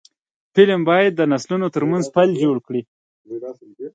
فلم باید د نسلونو ترمنځ پل جوړ کړي